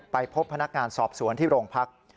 ไปพบพนักงานสอบสวนที่โรงพัก